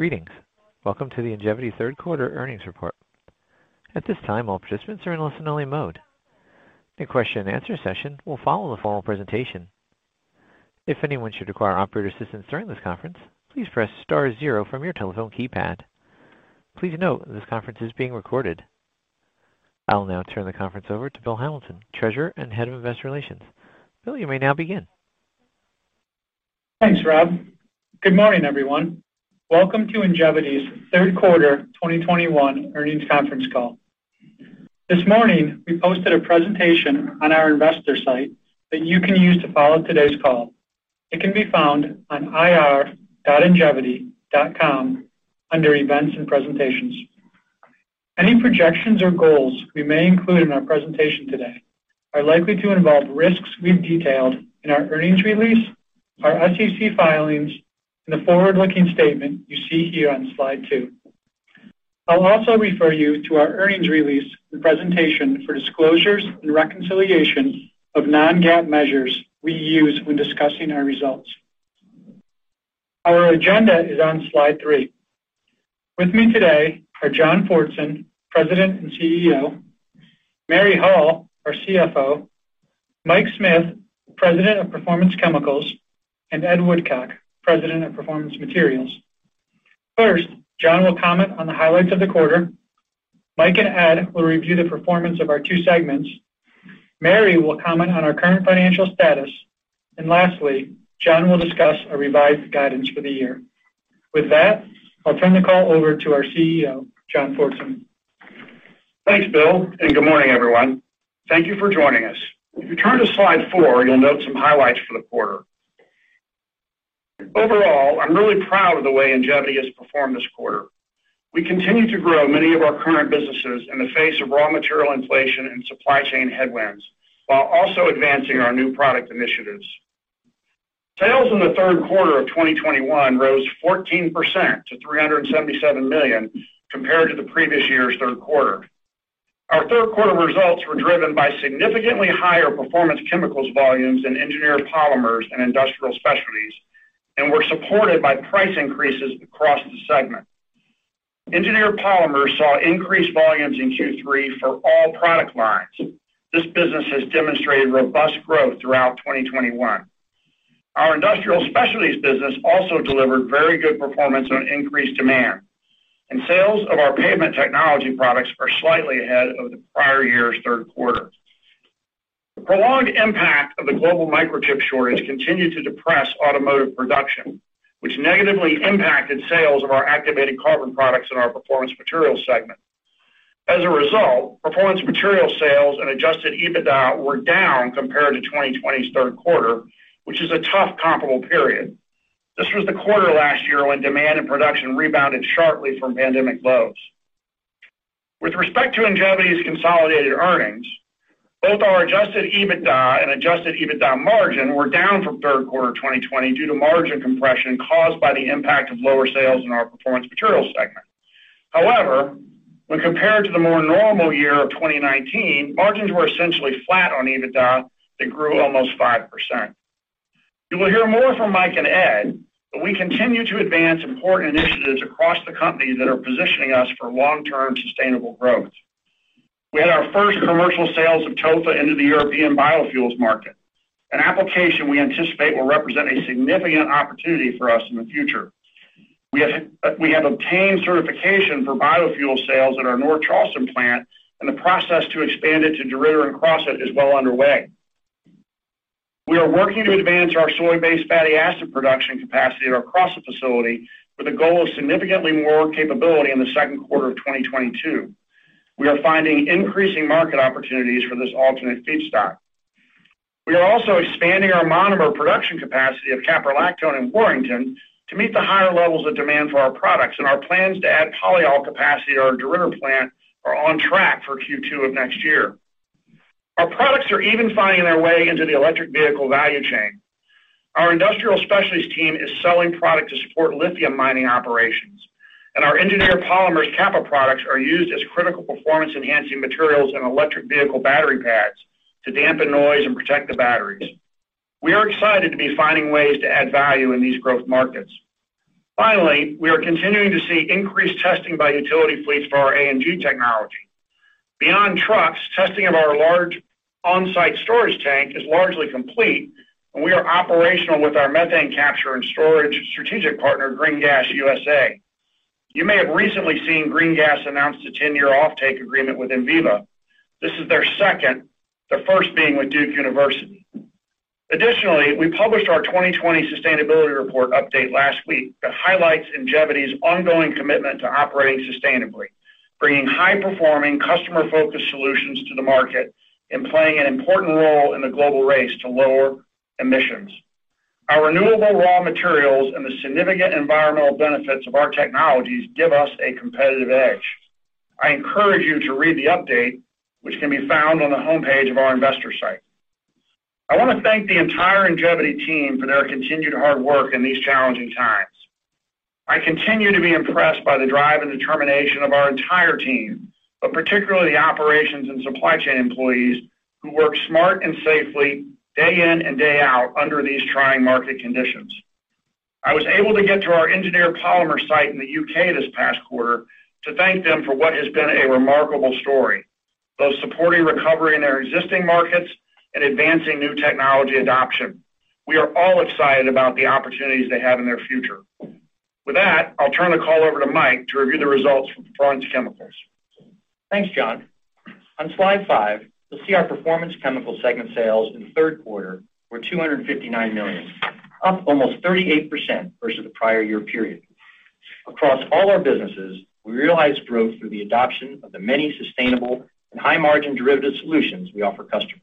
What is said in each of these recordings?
Greetings. Welcome to the Ingevity third quarter earnings report. At this time, all participants are in listen-only mode. A question-and-answer session will follow the formal presentation. If anyone should require operator assistance during this conference, please press star zero from your telephone keypad. Please note this conference is being recorded. I'll now turn the conference over to Bill Hamilton, Treasurer and Head of Investor Relations. Bill, you may now begin. Thanks, Rob. Good morning, everyone. Welcome to Ingevity's third quarter 2021 earnings conference call. This morning, we posted a presentation on our investor site that you can use to follow today's call. It can be found on ir.ingevity.com under Events and Presentations. Any projections or goals we may include in our presentation today are likely to involve risks we've detailed in our earnings release, our SEC filings, and the forward-looking statement you see here on slide two. I'll also refer you to our earnings release and presentation for disclosures and reconciliation of non-GAAP measures we use when discussing our results. Our agenda is on slide three. With me today are John Fortson, President and CEO, Mary Hall, our CFO, Mike Smith, President of Performance Chemicals, and Ed Woodcock, President of Performance Materials. First, John will comment on the highlights of the quarter. Mike and Ed will review the performance of our two segments. Mary will comment on our current financial status. Lastly, John will discuss a revised guidance for the year. With that, I'll turn the call over to our CEO, John Fortson. Thanks, Bill, and good morning, everyone. Thank you for joining us. If you turn to slide four, you'll note some highlights for the quarter. Overall, I'm really proud of the way Ingevity has performed this quarter. We continue to grow many of our current businesses in the face of raw material inflation and supply chain headwinds, while also advancing our new product initiatives. Sales in the third quarter of 2021 rose 14% to $377 million compared to the previous year's third quarter. Our third quarter results were driven by significantly higher Performance Chemicals volumes in Engineered Polymers and Industrial Specialties and were supported by price increases across the segment. Engineered Polymers saw increased volumes in Q3 for all product lines. This business has demonstrated robust growth throughout 2021. Our Industrial Specialties business also delivered very good performance on increased demand, and sales of our Pavement Technologies products are slightly ahead of the prior year's third quarter. The prolonged impact of the global microchip shortage continued to depress automotive production, which negatively impacted sales of our activated carbon products in our Performance Materials segment. As a result, Performance Materials sales and adjusted EBITDA were down compared to 2020's third quarter, which is a tough comparable period. This was the quarter last year when demand and production rebounded sharply from pandemic lows. With respect to Ingevity's consolidated earnings, both our adjusted EBITDA and adjusted EBITDA margin were down from third quarter 2020 due to margin compression caused by the impact of lower sales in our Performance Materials segment. However, when compared to the more normal year of 2019, margins were essentially flat on EBITDA that grew almost 5%. You will hear more from Mike and Ed, but we continue to advance important initiatives across the company that are positioning us for long-term sustainable growth. We had our first commercial sales of TOFA into the European biofuels market, an application we anticipate will represent a significant opportunity for us in the future. We have obtained certification for biofuel sales at our North Charleston plant, and the process to expand it to DeRidder and Crossett is well underway. We are working to advance our soy-based fatty acid production capacity at our Crossett facility with a goal of significantly more capability in the second quarter of 2022. We are finding increasing market opportunities for this alternate feedstock. We are also expanding our monomer production capacity of caprolactone in Warrington to meet the higher levels of demand for our products, and our plans to add polyol capacity at our DeRidder plant are on track for Q2 of next year. Our products are even finding their way into the electric vehicle value chain. Our Industrial Specialties team is selling product to support lithium mining operations, and our Engineered Polymers CAPA products are used as critical performance-enhancing materials in electric vehicle battery packs to dampen noise and protect the batteries. We are excited to be finding ways to add value in these growth markets. Finally, we are continuing to see increased testing by utility fleets for our ANG technology. Beyond trucks, testing of our large on-site storage tank is largely complete, and we are operational with our methane capture and storage strategic partner, GreenGasUSA. You may have recently seen GreenGasUSA announce a 10-year offtake agreement with Enviva. This is their second, the first being with Duke University. Additionally, we published our 2020 sustainability report update last week that highlights Ingevity's ongoing commitment to operating sustainably, bringing high-performing, customer-focused solutions to the market, and playing an important role in the global race to lower emissions. Our renewable raw materials and the significant environmental benefits of our technologies give us a competitive edge. I encourage you to read the update, which can be found on the homepage of our investor site. I want to thank the entire Ingevity team for their continued hard work in these challenging times. I continue to be impressed by the drive and determination of our entire team. Particularly the operations and supply chain employees who work smart and safely day in and day out under these trying market conditions. I was able to get to our Engineered Polymers site in the U.K. this past quarter to thank them for what has been a remarkable story, both supporting recovery in their existing markets and advancing new technology adoption. We are all excited about the opportunities they have in their future. With that, I'll turn the call over to Mike to review the results from Performance Chemicals. Thanks, John. On slide five, you'll see our Performance Chemicals segment sales in the third quarter were $259 million, up almost 38% versus the prior year period. Across all our businesses, we realized growth through the adoption of the many sustainable and high-margin derivative solutions we offer customers.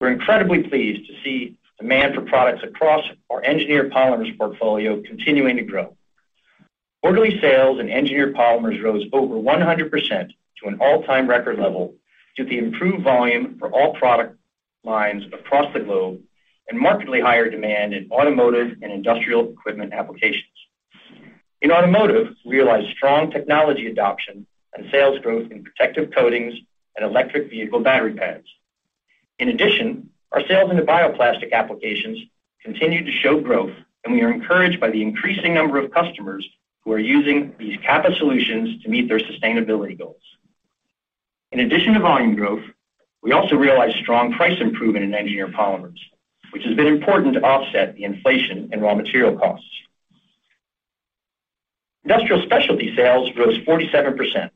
We're incredibly pleased to see demand for products across our Engineered Polymers portfolio continuing to grow. Quarterly sales in Engineered Polymers rose over 100% to an all-time record level due to the improved volume for all product lines across the globe and markedly higher demand in automotive and industrial equipment applications. In automotive, we realized strong technology adoption and sales growth in protective coatings and electric vehicle battery pads. In addition, our sales into bioplastic applications continue to show growth, and we are encouraged by the increasing number of customers who are using these CAPA solutions to meet their sustainability goals. In addition to volume growth, we also realized strong price improvement in Engineered Polymers, which has been important to offset the inflation in raw material costs. Industrial Specialties sales rose 47%.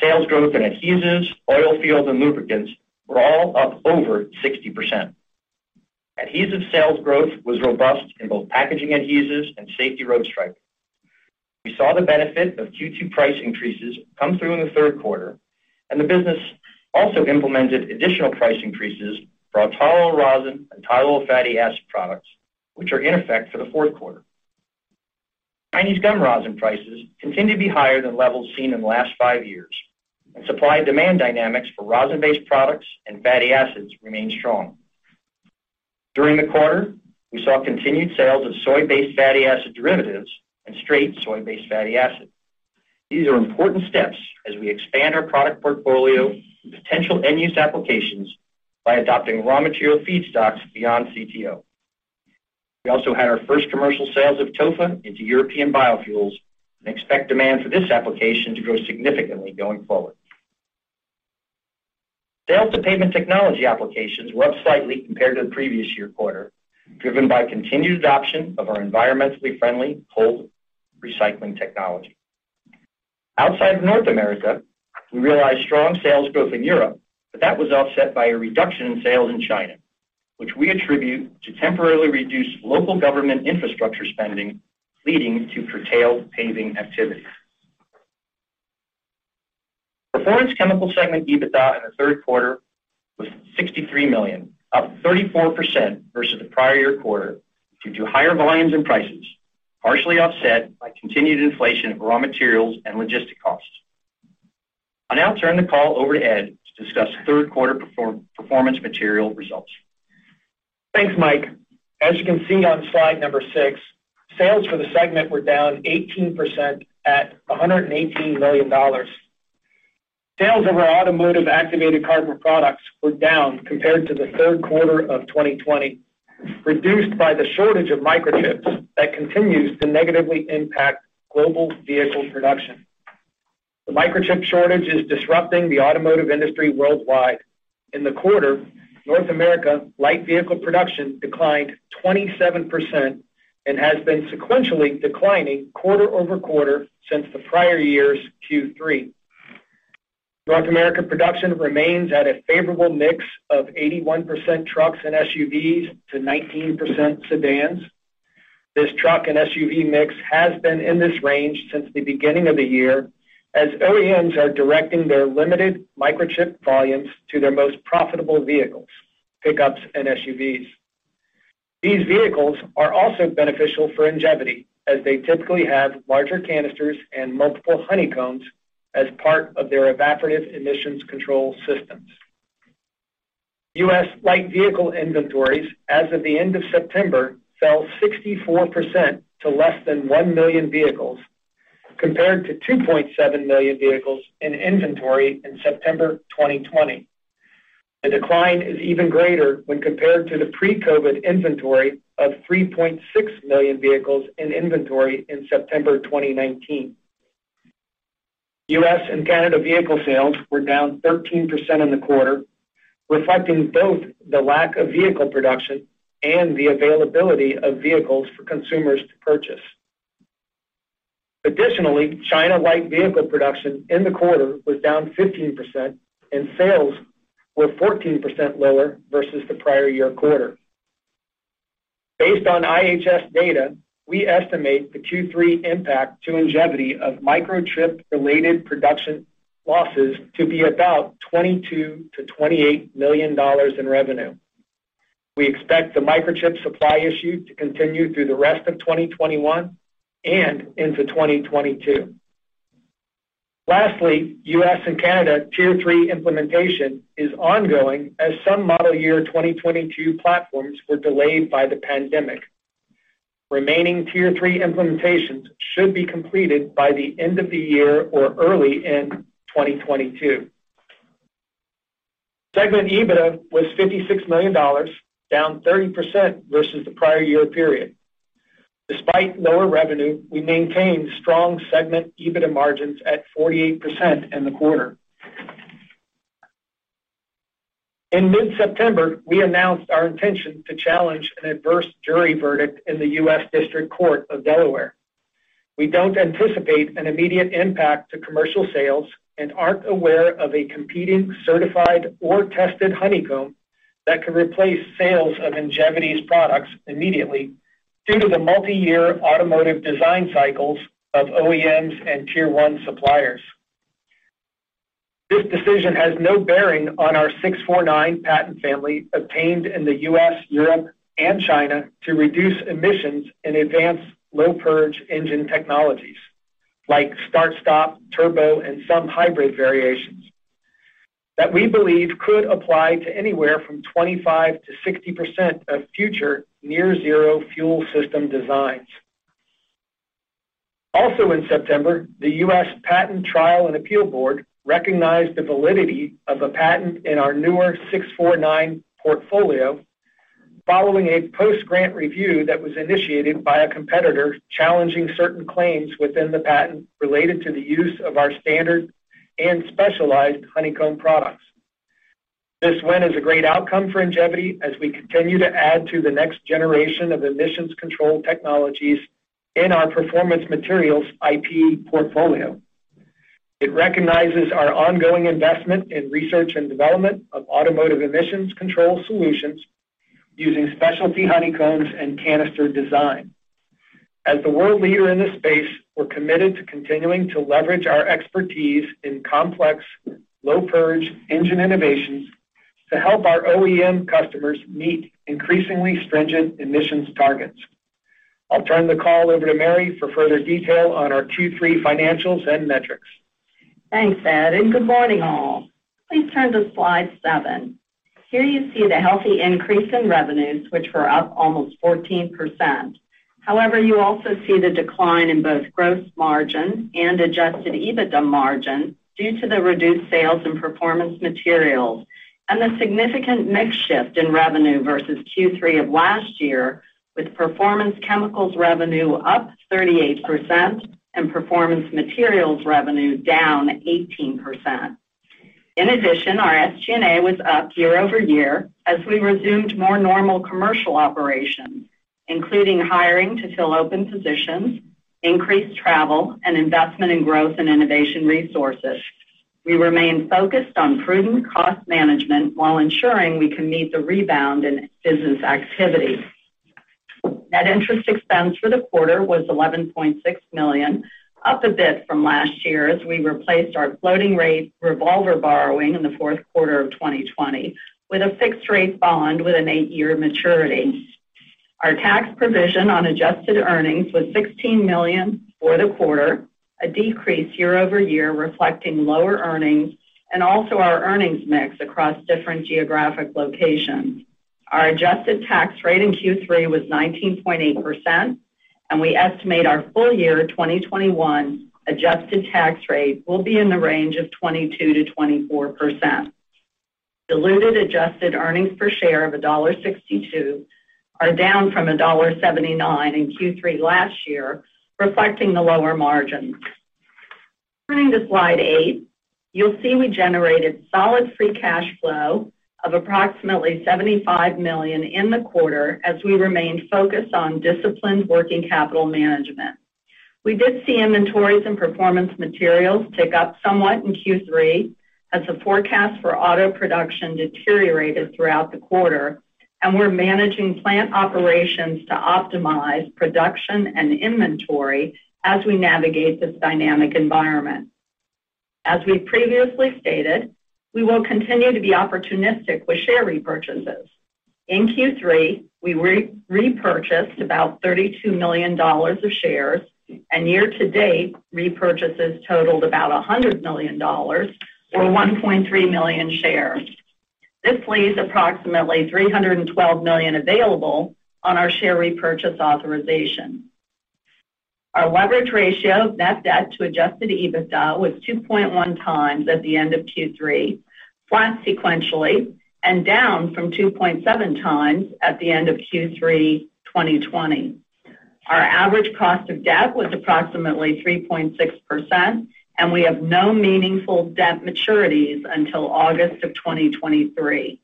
Sales growth in adhesives, oilfield, and lubricants were all up over 60%. Adhesive sales growth was robust in both packaging adhesives and safety road stripe. We saw the benefit of Q2 price increases come through in the third quarter, and the business also implemented additional price increases for our tall oil rosin and tall oil fatty acid products, which are in effect for the fourth quarter. Chinese gum rosin prices continue to be higher than levels seen in the last five years, and supply and demand dynamics for rosin-based products and fatty acids remain strong. During the quarter, we saw continued sales of soy-based fatty acid derivatives and straight soy-based fatty acid. These are important steps as we expand our product portfolio to potential end-use applications by adopting raw material feedstocks beyond CTO. We also had our first commercial sales of TOFA into European Biofuels and expect demand for this application to grow significantly going forward. Sales to Pavement Technologies applications were up slightly compared to the previous year quarter, driven by continued adoption of our environmentally friendly cold recycling technology. Outside of North America, we realized strong sales growth in Europe, but that was offset by a reduction in sales in China, which we attribute to temporarily reduced local government infrastructure spending, leading to curtailed paving activity. Performance Chemicals segment EBITDA in the third quarter was $63 million, up 34% versus the prior year quarter due to higher volumes and prices, partially offset by continued inflation of raw materials and logistic costs. I'll now turn the call over to Ed to discuss third quarter Performance Materials results. Thanks, Mike. As you can see on slide six, sales for the segment were down 18% at $118 million. Sales of our automotive activated carbon products were down compared to the third quarter of 2020, reduced by the shortage of microchips that continues to negatively impact global vehicle production. The microchip shortage is disrupting the automotive industry worldwide. In the quarter, North America light vehicle production declined 27% and has been sequentially declining quarter-over-quarter since the prior year's Q3. North America production remains at a favorable mix of 81% trucks and SUVs to 19% sedans. This truck and SUV mix has been in this range since the beginning of the year as OEMs are directing their limited microchip volumes to their most profitable vehicles, pickups and SUVs. These vehicles are also beneficial for Ingevity as they typically have larger canisters and multiple honeycombs as part of their evaporative emissions control systems. U.S. light vehicle inventories as of the end of September fell 64% to less than 1 million vehicles compared to 2.7 million vehicles in inventory in September 2020. The decline is even greater when compared to the pre-COVID inventory of 3.6 million vehicles in inventory in September 2019. U.S. and Canada vehicle sales were down 13% in the quarter, reflecting both the lack of vehicle production and the availability of vehicles for consumers to purchase. Additionally, China light vehicle production in the quarter was down 15%, and sales were 14% lower versus the prior year quarter. Based on IHS data, we estimate the Q3 impact to Ingevity of microchip-related production losses to be about $22 million-$28 million in revenue. We expect the microchip supply issue to continue through the rest of 2021 and into 2022. Lastly, U.S. and Canada Tier 3 implementation is ongoing as some model year 2022 platforms were delayed by the pandemic. Remaining Tier 3 implementations should be completed by the end of the year or early in 2022. Segment EBITDA was $56 million, down 30% versus the prior year period. Despite lower revenue, we maintained strong segment EBITDA margins at 48% in the quarter. In mid-September, we announced our intention to challenge an adverse jury verdict in the United States District Court for the District of Delaware. We don't anticipate an immediate impact to commercial sales and aren't aware of a competing, certified or tested honeycomb that could replace sales of Ingevity's products immediately due to the multi-year automotive design cycles of OEMs and Tier one suppliers. This decision has no bearing on our 649 patent family obtained in the U.S., Europe, and China to reduce emissions in advanced low purge engine technologies like start, stop, turbo, and some hybrid variations that we believe could apply to anywhere from 25%-60% of future near zero fuel system designs. Also in September, the U.S. Patent Trial and Appeal Board recognized the validity of a patent in our newer 649 portfolio following a post-grant review that was initiated by a competitor challenging certain claims within the patent related to the use of our standard and specialized honeycomb products. This win is a great outcome for Ingevity as we continue to add to the next generation of emissions control technologies in our Performance Materials IP portfolio. It recognizes our ongoing investment in research and development of automotive emissions control solutions using specialty honeycombs and canister design. As the world leader in this space, we're committed to continuing to leverage our expertise in complex low purge engine innovations to help our OEM customers meet increasingly stringent emissions targets. I'll turn the call over to Mary for further detail on our Q3 financials and metrics. Thanks, Ed, and good morning all. Please turn to slide seven. Here you see the healthy increase in revenues, which were up almost 14%. However, you also see the decline in both gross margin and adjusted EBITDA margin due to the reduced sales in Performance Materials and the significant mix shift in revenue versus Q3 of last year, with Performance Chemicals revenue up 38% and Performance Materials revenue down 18%. In addition, our SG&A was up year-over-year as we resumed more normal commercial operations, including hiring to fill open positions, increased travel, and investment in growth and innovation resources. We remain focused on prudent cost management while ensuring we can meet the rebound in business activity. Net interest expense for the quarter was $11.6 million, up a bit from last year as we replaced our floating rate revolver borrowing in the fourth quarter of 2020 with a fixed rate bond with an eight-year maturity. Our tax provision on adjusted earnings was $16 million for the quarter, a decrease year over year, reflecting lower earnings and also our earnings mix across different geographic locations. Our adjusted tax rate in Q3 was 19.8%, and we estimate our full year 2021 adjusted tax rate will be in the range of 22%-24%. Diluted adjusted earnings per share of $1.62 are down from $1.79 in Q3 last year, reflecting the lower margins. Turning to slide eight. You'll see we generated solid free cash flow of approximately $75 million in the quarter as we remained focused on disciplined working capital management. We did see inventories and Performance Materials tick up somewhat in Q3 as the forecast for auto production deteriorated throughout the quarter. We're managing plant operations to optimize production and inventory as we navigate this dynamic environment. As we've previously stated, we will continue to be opportunistic with share repurchases. In Q3, we repurchased about $32 million of shares, and year to date, repurchases totaled about $100 million or 1.3 million shares. This leaves approximately $312 million available on our share repurchase authorization. Our leverage ratio, net debt to adjusted EBITDA, was 2.1x at the end of Q3, flat sequentially, and down from 2.7x at the end of Q3 2020. Our average cost of debt was approximately 3.6%, and we have no meaningful debt maturities until August of 2023.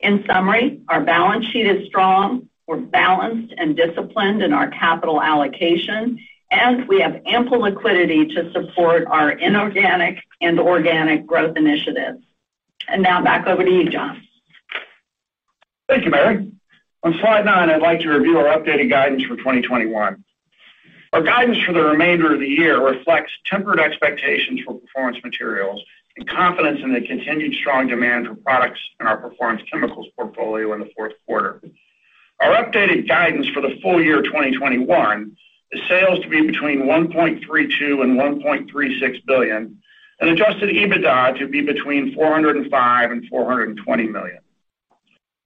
In summary, our balance sheet is strong. We're balanced and disciplined in our capital allocation, and we have ample liquidity to support our inorganic and organic growth initiatives. Now back over to you, John. Thank you, Mary. On slide nine, I'd like to review our updated guidance for 2021. Our guidance for the remainder of the year reflects tempered expectations for Performance Materials and confidence in the continued strong demand for products in our Performance Chemicals portfolio in the fourth quarter. Our updated guidance for the full year 2021 is sales to be between $1.32 billion and $1.36 billion. Adjusted EBITDA should be between $405 million and $420 million.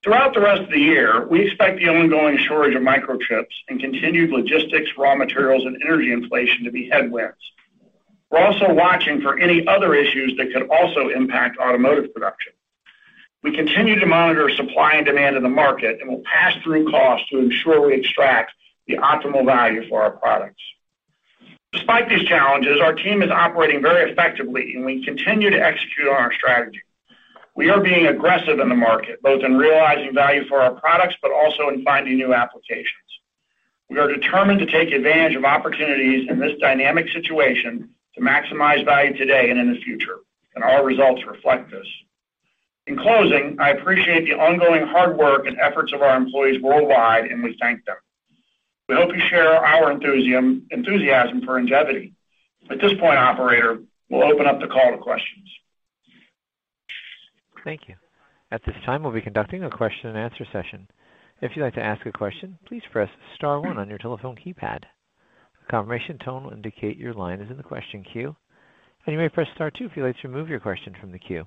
Throughout the rest of the year, we expect the ongoing shortage of microchips and continued logistics, raw materials, and energy inflation to be headwinds. We're also watching for any other issues that could also impact automotive production. We continue to monitor supply and demand in the market, and we'll pass through costs to ensure we extract the optimal value for our products. Despite these challenges, our team is operating very effectively, and we continue to execute on our strategy. We are being aggressive in the market, both in realizing value for our products, but also in finding new applications. We are determined to take advantage of opportunities in this dynamic situation to maximize value today and in the future, and our results reflect this. In closing, I appreciate the ongoing hard work and efforts of our employees worldwide, and we thank them. We hope you share our enthusiasm for Ingevity. At this point, operator, we'll open up the call to questions. Thank you. At this time, we'll be conducting a question-and-answer session. If you'd like to ask a question, please press star one on your telephone keypad. A confirmation tone will indicate your line is in the question queue, and you may press star two if you'd like to remove your question from the queue.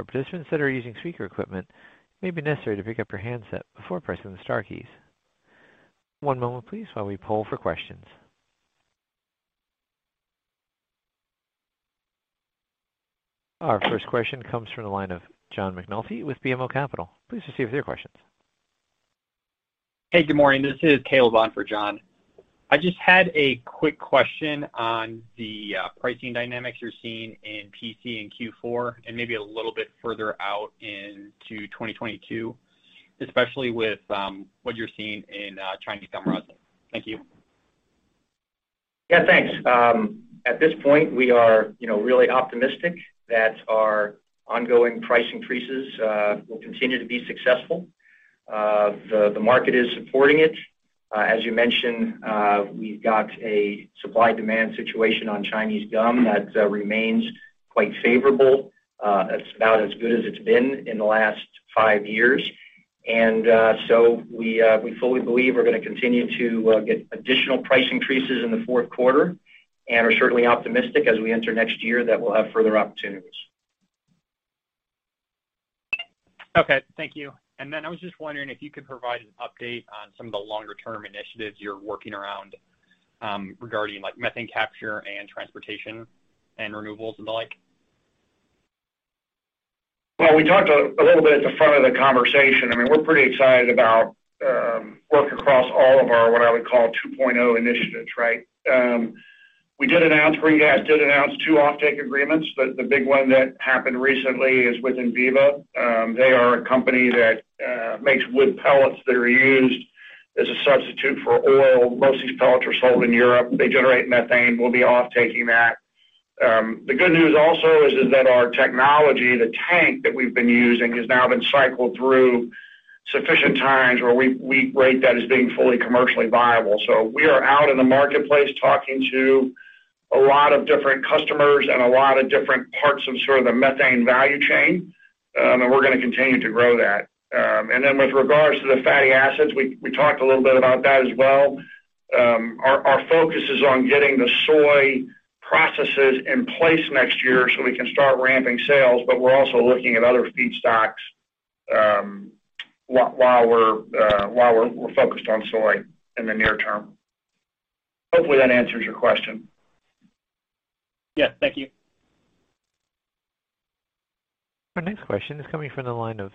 For participants that are using speaker equipment, it may be necessary to pick up your handset before pressing the star keys. One moment, please, while we poll for questions. Our first question comes from the line of John McNulty with BMO Capital. Please proceed with your questions. Hey, good morning. This is Caleb on for John. I just had a quick question on the pricing dynamics you're seeing in PC in Q4 and maybe a little bit further out into 2022, especially with what you're seeing in Chinese gum rosin. Thank you. Yeah, thanks. At this point, we are, you know, really optimistic that our ongoing price increases will continue to be successful. The market is supporting it. As you mentioned, we've got a supply-demand situation on Chinese gum that remains quite favorable. That's about as good as it's been in the last five years. We fully believe we're gonna continue to get additional price increases in the fourth quarter and are certainly optimistic as we enter next year that we'll have further opportunities. Okay. Thank you. I was just wondering if you could provide an update on some of the longer-term initiatives you're working around, regarding, like, methane capture and transportation and renewables and the like? Well, we talked a little bit at the front of the conversation. I mean, we're pretty excited about work across all of our, what I would call, 2.0 initiatives, right? GreenGasUSA did announce two offtake agreements. The big one that happened recently is with Enviva. They are a company that makes wood pellets that are used as a substitute for oil. Most of these pellets are sold in Europe. They generate methane. We'll be offtaking that. The good news also is that our technology, the tank that we've been using, has now been cycled through sufficient times where we rate that as being fully commercially viable. We are out in the marketplace talking to a lot of different customers and a lot of different parts of sort of the methane value chain, and we're gonna continue to grow that. With regards to the fatty acids, we talked a little bit about that as well. Our focus is on getting the soy processes in place next year so we can start ramping sales, but we're also looking at other feedstocks, while we're focused on soy in the near term. Hopefully, that answers your question. Yeah. Thank you. Our next question is coming from the line of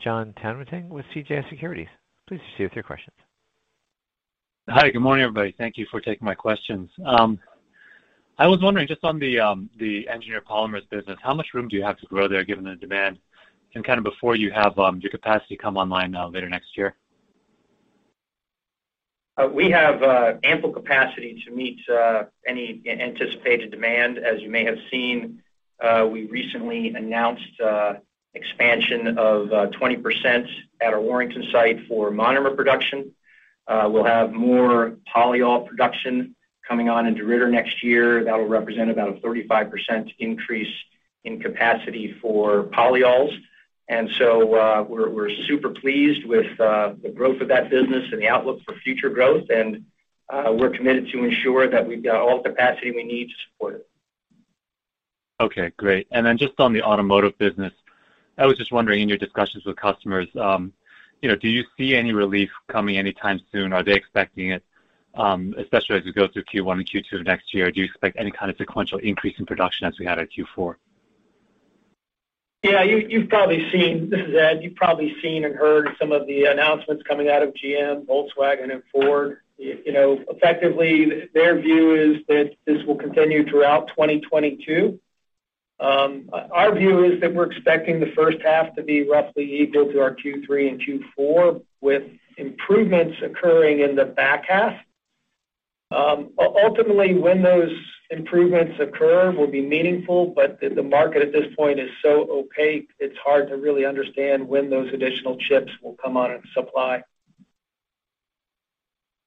Jon Tanwanteng with CJS Securities. Please proceed with your questions. Hi. Good morning, everybody. Thank you for taking my questions. I was wondering just on the Engineered Polymers business, how much room do you have to grow there given the demand and kind of before you have your capacity come online later next year? We have ample capacity to meet any anticipated demand. As you may have seen, we recently announced expansion of 20% at our Warrington site for monomer production. We'll have more polyol production coming on in DeRidder next year. That'll represent about a 35% increase in capacity for polyols. We're super pleased with the growth of that business and the outlook for future growth, and we're committed to ensure that we've got all the capacity we need to support it. Okay. Great. Just on the automotive business, I was just wondering in your discussions with customers, you know, do you see any relief coming anytime soon? Are they expecting it, especially as we go through Q1 and Q2 next year? Do you expect any kind of sequential increase in production as we had at Q4? Yeah. This is Ed. You've probably seen and heard some of the announcements coming out of GM, Volkswagen, and Ford. You know, effectively, their view is that this will continue throughout 2022. Our view is that we're expecting the first half to be roughly equal to our Q3 and Q4, with improvements occurring in the back half. Ultimately, when those improvements occur will be meaningful, but the market at this point is so opaque, it's hard to really understand when those additional chips will come on in supply.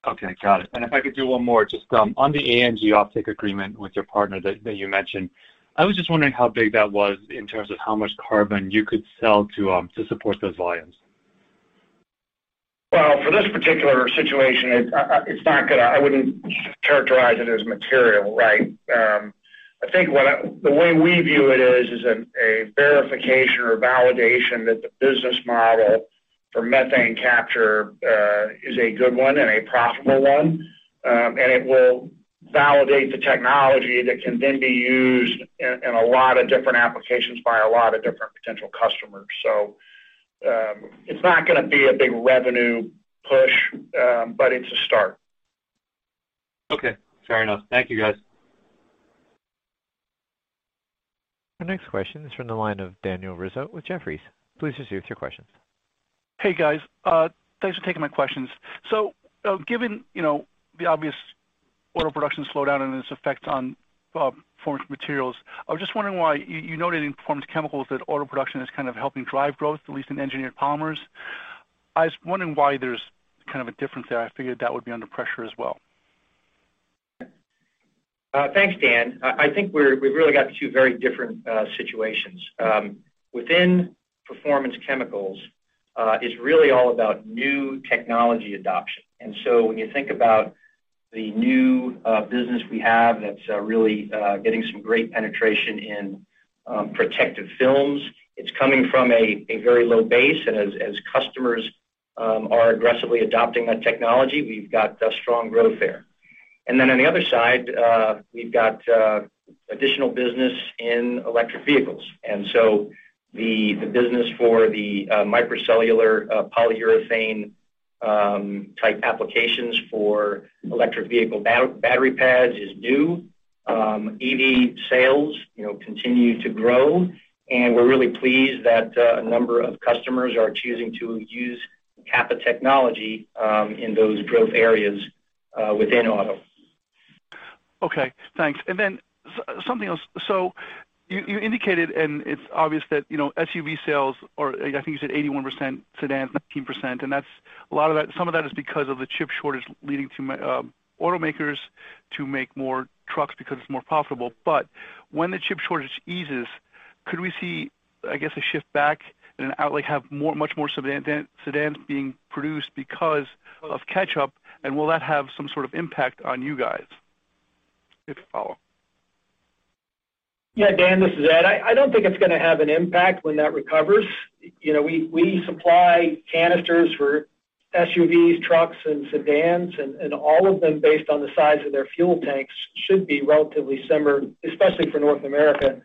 Okay. Got it. If I could do one more, just on the ANG offtake agreement with your partner that you mentioned, I was just wondering how big that was in terms of how much carbon you could sell to support those volumes? Well, for this particular situation, it's not gonna be material, right. I wouldn't characterize it as material, right. I think the way we view it is a verification or validation that the business model for methane capture is a good one and a profitable one. It will validate the technology that can then be used in a lot of different applications by a lot of different potential customers. It's not gonna be a big revenue push, but it's a start. Okay, fair enough. Thank you, guys. Our next question is from the line of Daniel Rizzo with Jefferies. Please proceed with your questions. Hey, guys. Thanks for taking my questions. Given, you know, the obvious oil production slowdown and its effect on Performance Materials, I was just wondering why you noted in Performance Chemicals that oil production is kind of helping drive growth, at least in Engineered Polymers. I was wondering why there's kind of a difference there. I figured that would be under pressure as well. Thanks, Dan. I think we've really got two very different situations. Within Performance Chemicals, it's really all about new technology adoption. When you think about the new business we have, it's really getting some great penetration in protective films. It's coming from a very low base. As customers are aggressively adopting that technology, we've got strong growth there. On the other side, we've got additional business in electric vehicles. The business for the microcellular polyurethane type applications for electric vehicle battery pads is new. EV sales, you know, continue to grow, and we're really pleased that a number of customers are choosing to use CAPA technology in those growth areas within auto. Okay, thanks. Something else. You indicated, and it's obvious that, you know, SUV sales or, I think you said 81%, sedans 19%, and that's a lot of that, some of that is because of the chip shortage leading to automakers to make more trucks because it's more profitable. When the chip shortage eases, could we see, I guess, a shift back and ultimately have much more sedans being produced because of catch-up, and will that have some sort of impact on you guys? If I could follow. Yeah, Dan, this is Ed. I don't think it's gonna have an impact when that recovers. You know, we supply canisters for SUVs, trucks, and sedans. All of them, based on the size of their fuel tanks, should be relatively similar, especially for North America,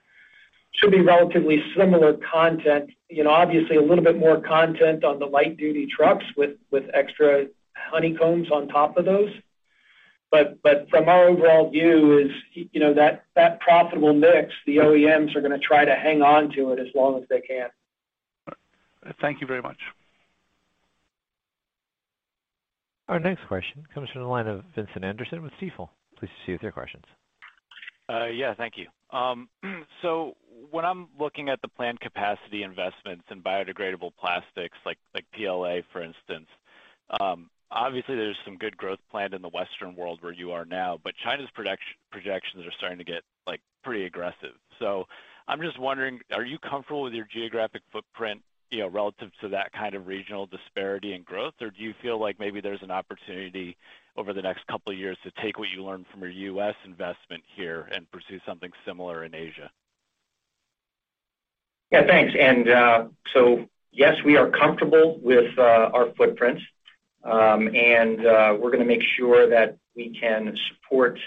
should be relatively similar content. You know, obviously a little bit more content on the light-duty trucks with extra honeycombs on top of those. From our overall view is, you know, that profitable mix, the OEMs are gonna try to hang on to it as long as they can. Thank you very much. Our next question comes from the line of Vincent Anderson with Stifel. Please proceed with your questions. Yeah, thank you. When I'm looking at the planned capacity investments in biodegradable plastics like PLA, for instance, obviously there's some good growth planned in the Western world where you are now, but China's projections are starting to get, like, pretty aggressive. I'm just wondering, are you comfortable with your geographic footprint, you know, relative to that kind of regional disparity in growth? Or do you feel like maybe there's an opportunity over the next couple of years to take what you learned from your U.S. investment here and pursue something similar in Asia? Yeah, thanks. Yes, we are comfortable with our footprint. We're gonna make sure that we can support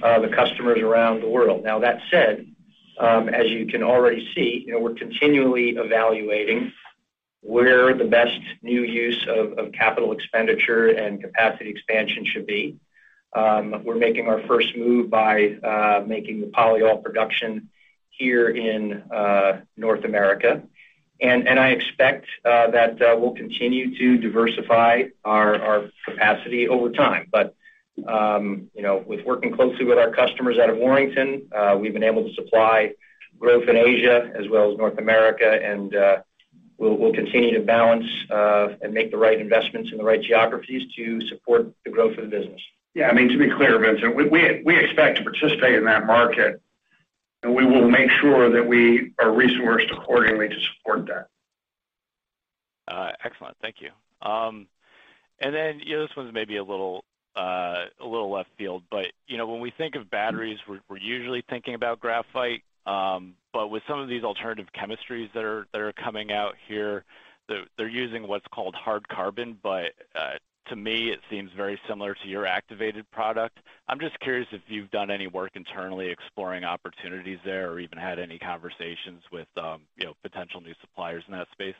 the customers around the world. Now, that said, as you can already see, you know, we're continually evaluating where the best new use of capital expenditure and capacity expansion should be. We're making our first move by making the polyol production here in North America. I expect that we'll continue to diversify our capacity over time. You know, with working closely with our customers out of Warrington, we've been able to supply growth in Asia as well as North America. We'll continue to balance and make the right investments in the right geographies to support the growth of the business. Yeah. I mean, to be clear, Vincent, we expect to participate in that market, and we will make sure that we are resourced accordingly to support that. Excellent. Thank you. You know, this one's maybe a little left field, but you know, when we think of batteries, we're usually thinking about graphite. With some of these alternative chemistries that are coming out here, they're using what's called hard carbon. To me it seems very similar to your activated product. I'm just curious if you've done any work internally exploring opportunities there or even had any conversations with you know, potential new suppliers in that space.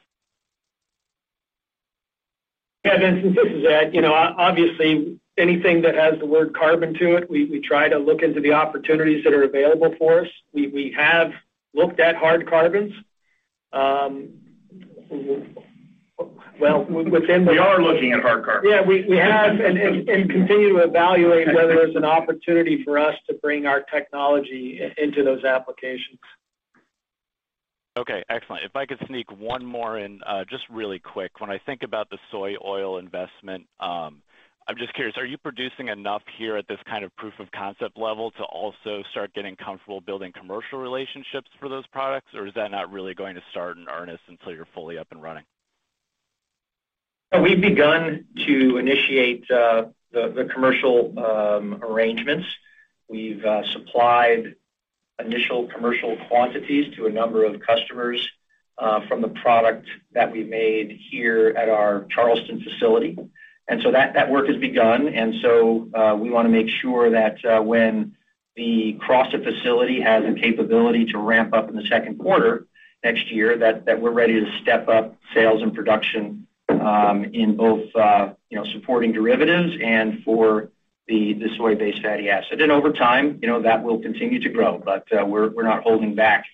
Yeah, Vincent, this is Ed. You know, obviously anything that has the word carbon to it, we try to look into the opportunities that are available for us. We have looked at hard carbons. Well, within the. We are looking at hard carbon. Yeah, we have and continue to evaluate whether there's an opportunity for us to bring our technology into those applications. Okay, excellent. If I could sneak one more in, just really quick. When I think about the soy oil investment, I'm just curious, are you producing enough here at this kind of proof of concept level to also start getting comfortable building commercial relationships for those products? Or is that not really going to start in earnest until you're fully up and running? We've begun to initiate the commercial arrangements. We've supplied initial commercial quantities to a number of customers from the product that we made here at our Charleston facility. That work has begun. We want to make sure that when the Crossett facility has a capability to ramp up in the second quarter next year, that we're ready to step up sales and production in both, you know, supporting derivatives and for the soy-based fatty acid. Over time, you know, that will continue to grow. But we're not holding back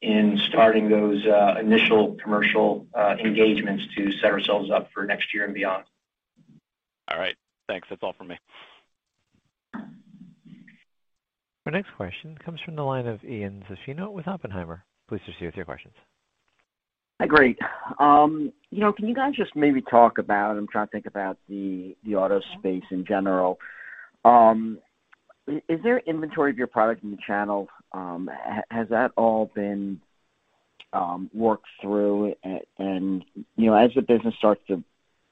in starting those initial commercial engagements to set ourselves up for next year and beyond. All right. Thanks. That's all for me. Our next question comes from the line of Ian Zaffino with Oppenheimer. Please proceed with your questions. Hi. Great. You know, can you guys just maybe talk about, I'm trying to think about the auto space in general. Is there inventory of your product in the channel? Has that all been worked through? You know, as the business starts to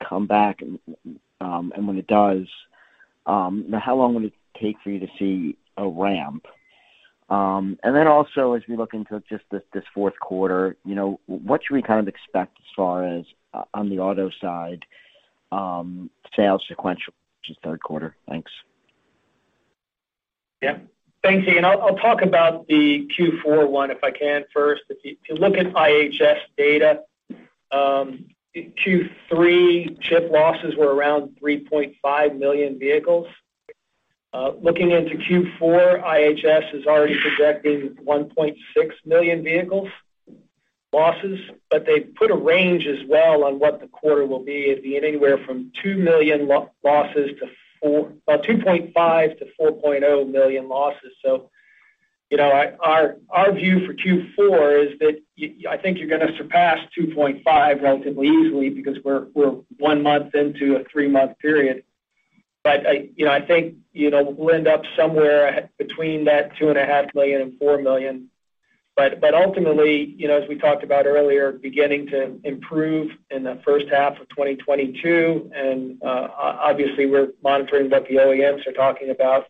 come back, and when it does, how long would it take for you to see a ramp? Also as we look into just this fourth quarter, you know, what should we kind of expect as far as on the auto side, sales sequential to third quarter? Thanks. Thanks, Ian. I'll talk about the Q4 one if I can first. If you look at IHS data, Q3 chip losses were around 3.5 million vehicles. Looking into Q4, IHS is already projecting 1.6 million vehicles losses, but they put a range as well on what the quarter will be. It'd be anywhere from 2.5 million-4.0 million losses. So, you know, our view for Q4 is that I think you're gonna surpass 2.5 relatively easily because we're one month into a three-month period. But I, you know, I think, you know, we'll end up somewhere between that 2.5 million-4 million. But ultimately, you know, as we talked about earlier, beginning to improve in the first half of 2022. Obviously, we're monitoring what the OEMs are talking about,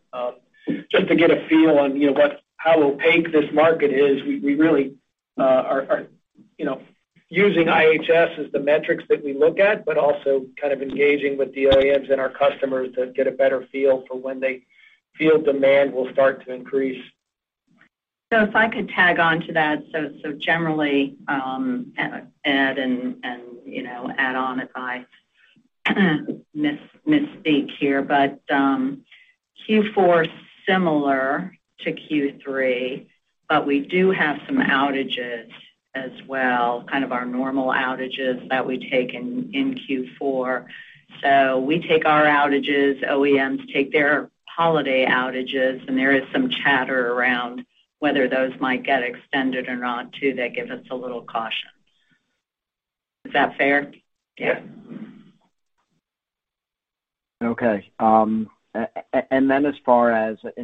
just to get a feel on, you know, how opaque this market is. We really are, you know, using IHS as the metrics that we look at, but also kind of engaging with the OEMs and our customers to get a better feel for when they feel demand will start to increase. If I could tag on to that. Generally, Ed, and you know, add on if I misspeak here. Q4, similar to Q3, but we do have some outages as well, kind of our normal outages that we take in Q4. We take our outages, OEMs take their holiday outages, and there is some chatter around whether those might get extended or not, too, that gives us a little caution. Is that fair? Yeah. Yeah.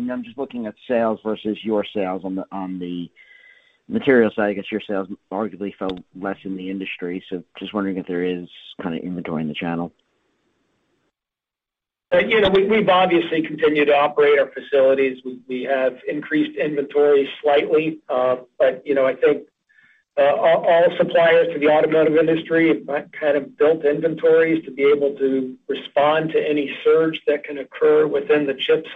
I'm just looking at sales versus your sales on the material side. I guess your sales arguably fell less in the industry, so just wondering if there is kinda inventory in the channel. You know, we've obviously continued to operate our facilities. We have increased inventory slightly. You know, I think all suppliers to the automotive industry have kind of built inventories to be able to respond to any surge that can occur within the chip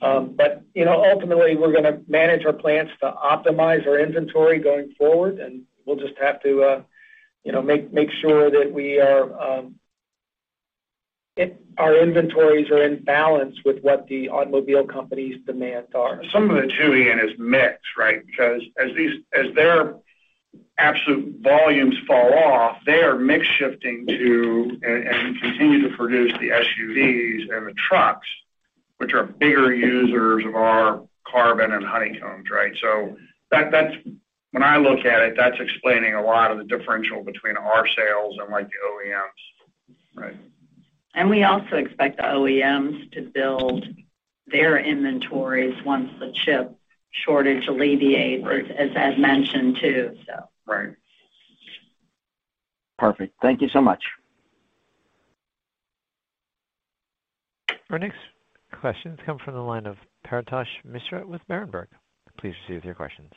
supplies. You know, ultimately, we're gonna manage our plants to optimize our inventory going forward, and we'll just have to, you know, make sure that we are, our inventories are in balance with what the automobile companies' demands are. Some of it too, Ian, is mix, right? Because as their absolute volumes fall off, they are mix shifting to, and continue to produce the SUVs and the trucks, which are bigger users of our carbon and honeycombs, right? That's when I look at it, that's explaining a lot of the differential between our sales and like the OEMs. Right. We also expect the OEMs to build their inventories once the chip shortage alleviates, as mentioned too, so. Right. Perfect. Thank you so much. Our next question comes from the line of Paretosh Misra with Berenberg Please proceed with your questions.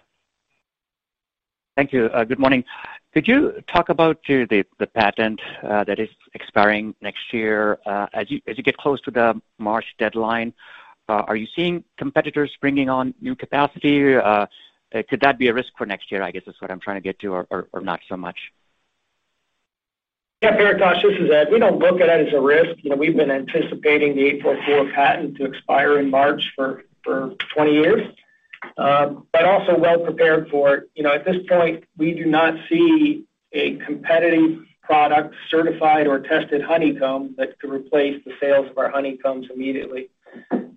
Thank you. Good morning. Could you talk about the patent that is expiring next year? As you get close to the March deadline, are you seeing competitors bringing on new capacity? Could that be a risk for next year, I guess is what I'm trying to get to, or not so much? Yeah. Paretosh, this is Ed. We don't look at it as a risk. You know, we've been anticipating the 844 patent to expire in March for 20 years, but also well prepared for it. You know, at this point, we do not see a competitive product certified or tested honeycomb that could replace the sales of our honeycombs immediately.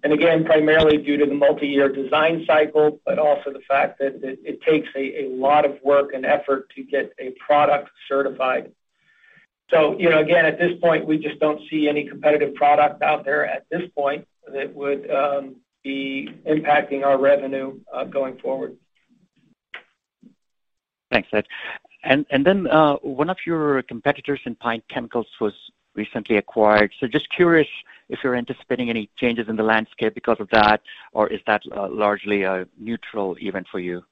Again, primarily due to the multi-year design cycle, but also the fact that it takes a lot of work and effort to get a product certified. You know, again, at this point, we just don't see any competitive product out there at this point that would be impacting our revenue going forward. Thanks, Ed. One of your competitors in Pine Chemicals was recently acquired. Just curious if you're anticipating any changes in the landscape because of that, or is that largely a neutral event for you?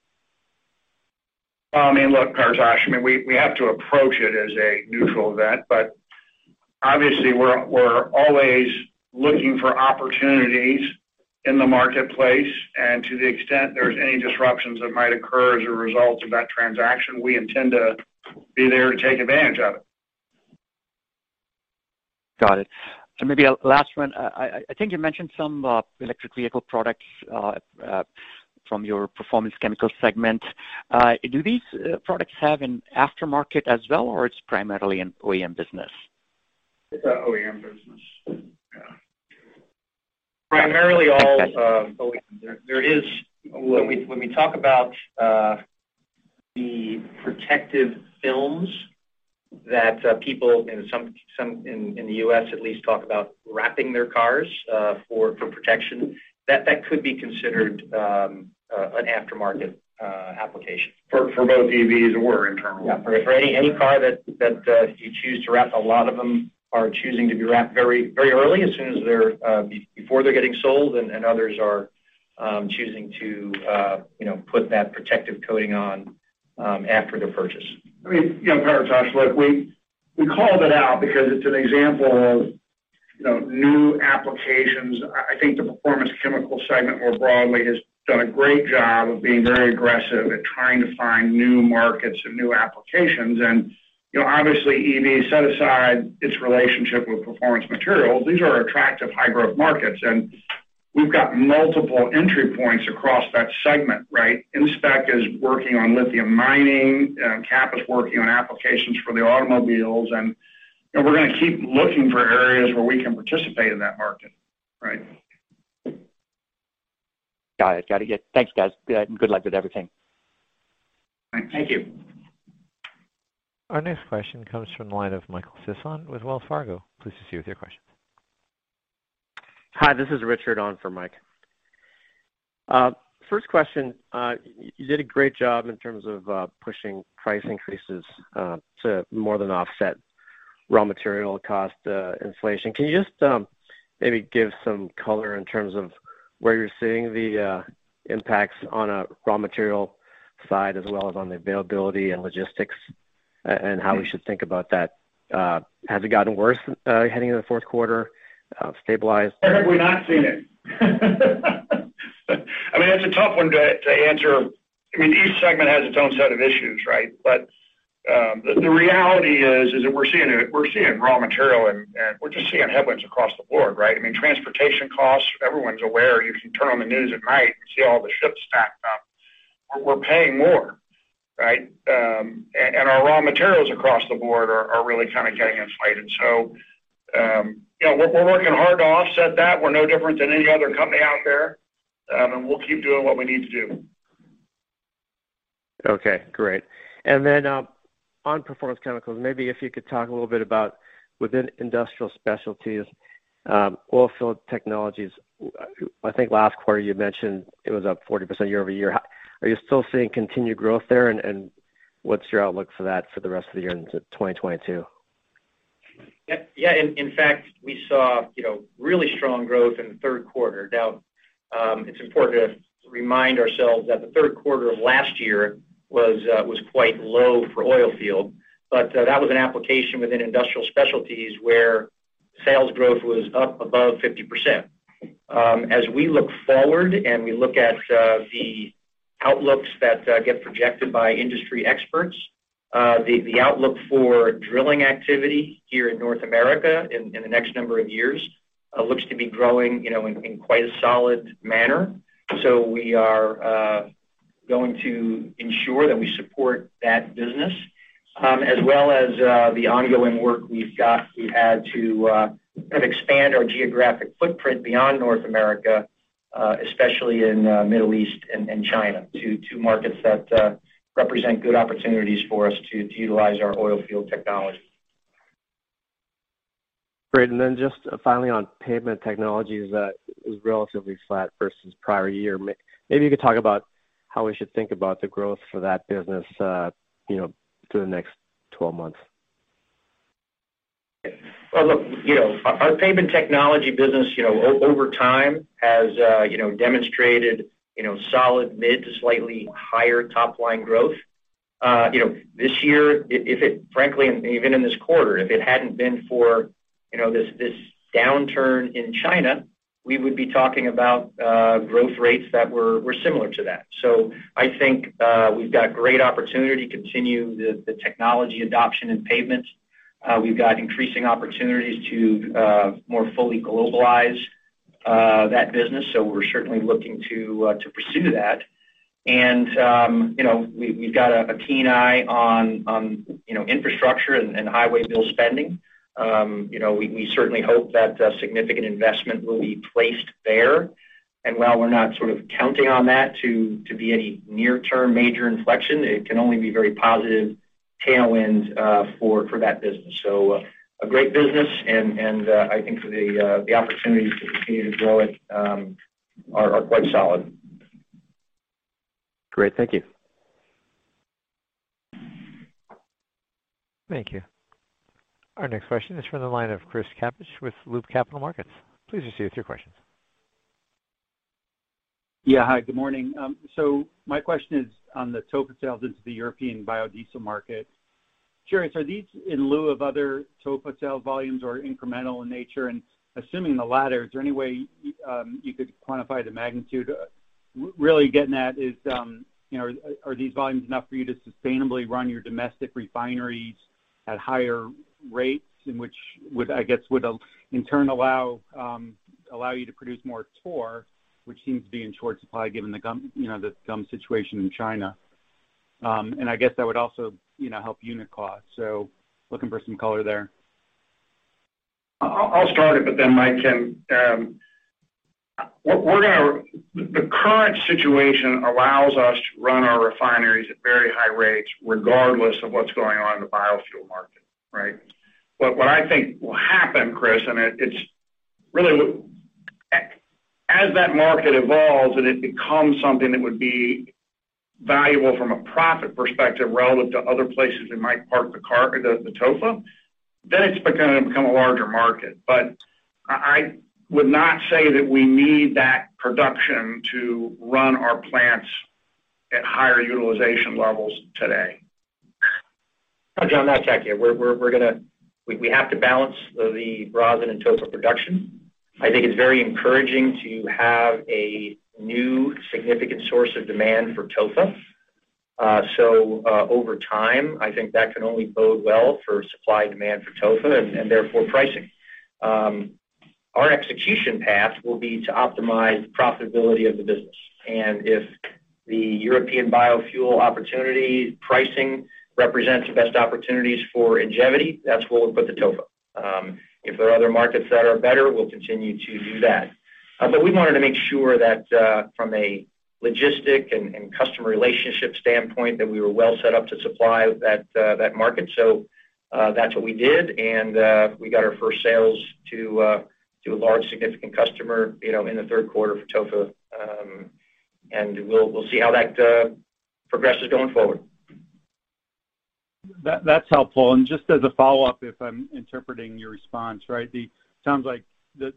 Well, I mean, look, Paretosh, I mean, we have to approach it as a neutral event, but obviously we're always looking for opportunities in the marketplace. To the extent there's any disruptions that might occur as a result of that transaction, we intend to be there to take advantage of it. Got it. Maybe a last one. I think you mentioned some electric vehicle products from your Performance Chemicals segment. Do these products have an aftermarket as well, or it's primarily an OEM business? It's a OEM business. Yeah. Primarily all OEM. When we talk about the protective films that people in some, in the U.S. at least talk about wrapping their cars for protection, that could be considered an aftermarket application. For both EVs or internal. For any car that you choose to wrap. A lot of them are choosing to be wrapped very early, as soon as they're before they're getting sold, and others are choosing to you know put that protective coating on after the purchase. I mean, you know, Paretosh, look, we called it out because it's an example of, you know, new applications. I think the Performance Chemicals segment more broadly has done a great job of being very aggressive at trying to find new markets and new applications. You know, obviously EV set aside its relationship with Performance Materials. These are attractive high-growth markets, and we've got multiple entry points across that segment, right? InSpec is working on lithium mining, and CAPA is working on applications for the automobiles, and, you know, we're gonna keep looking for areas where we can participate in that market, right? Got it. Yeah. Thanks, guys. Good luck with everything. Thanks. Thank you. Our next question comes from the line of Michael Sisson with Wells Fargo. Please proceed with your question. Hi, this is Richard on for Mike. First question, you did a great job in terms of pushing price increases to more than offset raw material cost inflation. Can you just maybe give some color in terms of where you're seeing the impacts on a raw material side as well as on the availability and logistics and how we should think about that? Has it gotten worse heading into the fourth quarter, stabilized? Where have we not seen it? I mean, that's a tough one to answer. I mean, each segment has its own set of issues, right? The reality is that we're seeing it. We're seeing raw material and we're just seeing headwinds across the board, right? I mean, transportation costs, everyone's aware. You can turn on the news at night and see all the ships stacked up. We're paying more, right? And our raw materials across the board are really kind of getting inflated. You know, we're working hard to offset that. We're no different than any other company out there. We'll keep doing what we need to do. Okay, great. On Performance Chemicals, maybe if you could talk a little bit about within Industrial Specialties, Oilfield Technologies. I think last quarter you mentioned it was up 40% year-over-year. Are you still seeing continued growth there? And what's your outlook for that for the rest of the year into 2022? Yeah. In fact, we saw, you know, really strong growth in the third quarter. Now, it's important to remind ourselves that the third quarter of last year was quite low for oilfield. That was an application within Industrial Specialties where sales growth was up above 50%. As we look forward and we look at the outlooks that get projected by industry experts, the outlook for drilling activity here in North America in the next number of years looks to be growing, you know, in quite a solid manner. We are going to ensure that we support that business, as well as the ongoing work we've got. We had to kind of expand our geographic footprint beyond North America, especially in Middle East and China, two markets that represent good opportunities for us to utilize our oilfield technology. Great. Just finally on Pavement Technologies, that is relatively flat versus prior year. Maybe you could talk about how we should think about the growth for that business, you know, through the next 12 months. Well, look, you know, our Pavement Technologies business, you know, over time has, you know, demonstrated, you know, solid mid to slightly higher top line growth. You know, this year, if it frankly, even in this quarter, if it hadn't been for, you know, this this downturn in China, we would be talking about, growth rates that were similar to that. I think, we've got great opportunity to continue the technology adoption in pavements. We've got increasing opportunities to more fully globalize that business. We're certainly looking to pursue that. You know, we've got a keen eye on you know, infrastructure and highway bill spending. You know, we certainly hope that a significant investment will be placed there. While we're not sort of counting on that to be any near-term major inflection, it can only be very positive tailwinds for that business. A great business and I think the opportunities to continue to grow it are quite solid. Great. Thank you. Thank you. Our next question is from the line of Chris Kapsch with Loop Capital Markets. Please proceed with your questions. Yeah. Hi, good morning. My question is on the tall oil sales into the European biodiesel market. Curious, are these in lieu of other TOFA sales volumes or incremental in nature? Assuming the latter, is there any way you could quantify the magnitude? What I'm really getting at is, you know, are these volumes enough for you to sustainably run your domestic refineries at higher rates, which would, I guess, in turn allow you to produce more TOR, which seems to be in short supply given the gum, you know, the gum situation in China. I guess that would also, you know, help unicot. Looking for some color there. I'll start it, but then Mike can. The current situation allows us to run our refineries at very high rates regardless of what's going on in the biofuel market, right? But what I think will happen, Chris, and it's really as that market evolves and it becomes something that would be valuable from a profit perspective relative to other places it might park the capital, the TOFA, then it's gonna become a larger market. But I would not say that we need that production to run our plants at higher utilization levels today. John, I'll take you. We have to balance the rosin and TOFA production. I think it's very encouraging to have a new significant source of demand for TOFA. Over time, I think that can only bode well for supply and demand for TOFA and therefore pricing. Our execution path will be to optimize profitability of the business. If the European biofuel opportunity pricing represents the best opportunities for Ingevity, that's where we'll put the TOFA. If there are other markets that are better, we'll continue to do that. We wanted to make sure that from a logistics and customer relationship standpoint, that we were well set up to supply that market. That's what we did, and we got our first sales to a large significant customer, you know, in the third quarter for TOFA. We'll see how that progresses going forward. That's helpful. Just as a follow-up, if I'm interpreting your response right, it sounds like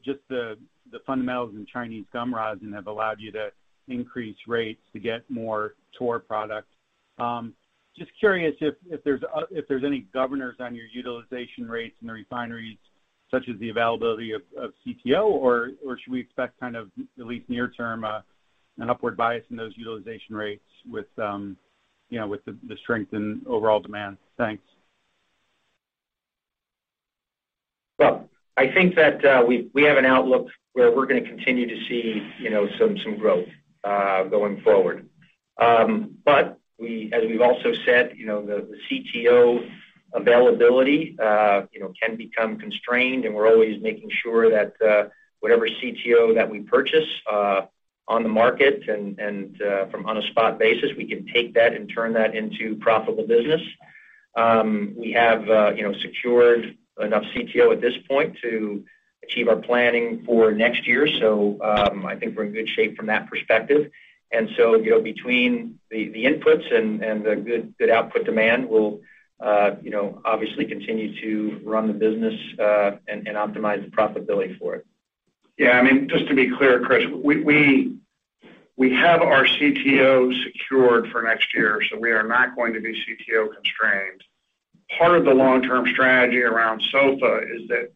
just the fundamentals in Chinese gum rosin have allowed you to increase rates to get more TOR product. Just curious if there's any governors on your utilization rates in the refineries, such as the availability of CTO, or should we expect kind of at least near term an upward bias in those utilization rates with, you know, with the strength in overall demand? Thanks. Well, I think that we have an outlook where we're gonna continue to see, you know, some growth going forward. But as we've also said, you know, the CTO availability can become constrained, and we're always making sure that whatever CTO that we purchase on the market and on a spot basis, we can take that and turn that into profitable business. We have, you know, secured enough CTO at this point to achieve our planning for next year. So, I think we're in good shape from that perspective. You know, between the inputs and the good output demand, we'll, you know, obviously continue to run the business and optimize the profitability for it. Yeah, I mean, just to be clear, Chris, we have our CTO secured for next year, so we are not going to be CTO constrained. Part of the long-term strategy around SOFA is that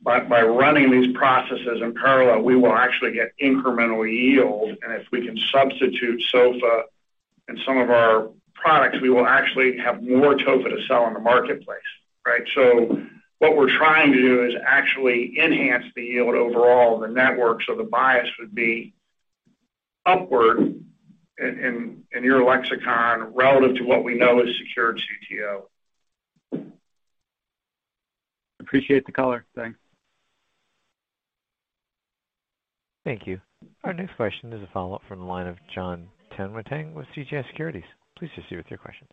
by running these processes in parallel, we will actually get incremental yield. If we can substitute SOFA in some of our products, we will actually have more TOFA to sell in the marketplace, right? What we're trying to do is actually enhance the yield overall, the network. The bias would be upward in your lexicon relative to what we know is secured CTO. Appreciate the color. Thanks. Thank you. Our next question is a follow-up from the line of Jon Tanwanteng with CJS Securities. Please proceed with your questions.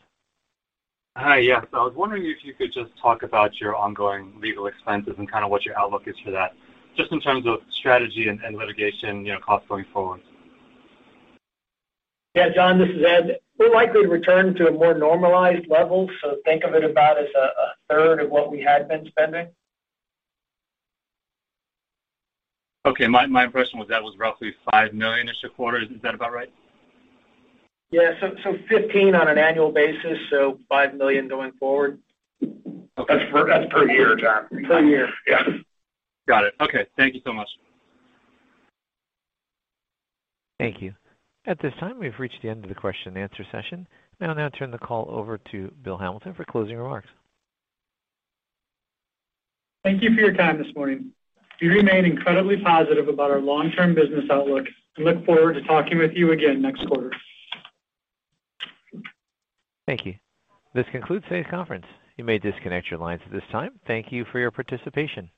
Hi. Yes. I was wondering if you could just talk about your ongoing legal expenses and kinda what your outlook is for that, just in terms of strategy and litigation, you know, costs going forward? Yeah. John, this is Ed. We'll likely return to a more normalized level. Think of it as about a third of what we had been spending. Okay. My impression was that was roughly $5 million-ish a quarter. Is that about right? Yeah. $15 million on an annual basis, $5 million going forward. Okay. That's per year, Jon. Per year. Yeah. Got it. Okay. Thank you so much. Thank you. At this time, we've reached the end of the question-and-answer session. I'll now turn the call over to Bill Hamilton for closing remarks. Thank you for your time this morning. We remain incredibly positive about our long-term business outlook and look forward to talking with you again next quarter. Thank you. This concludes today's conference. You may disconnect your lines at this time. Thank you for your participation.